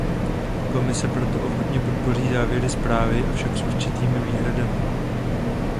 Komise proto ochotně podpoří závěry zprávy, avšak s určitými výhradami.